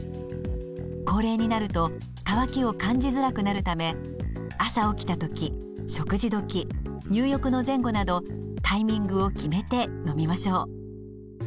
高齢になると渇きを感じづらくなるため朝起きた時食事時入浴の前後などタイミングを決めて飲みましょう。